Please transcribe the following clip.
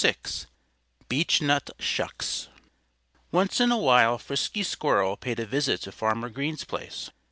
VI BEECHNUT SHUCKS ONCE in a while Frisky Squirrel paid a visit to Farmer Green's place.